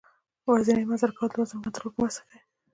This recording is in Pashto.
ورځنی مزل کول د وزن کنترول کې مرسته کوي.